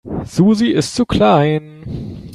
Susi ist zu klein.